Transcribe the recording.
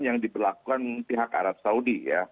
yang diberlakukan pihak arab saudi ya